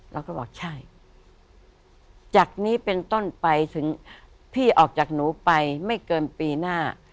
เราก็บอกใช่จากนี้เป็นต้นไปถึงพี่ออกจากหนูไปไม่เกินปีหน้า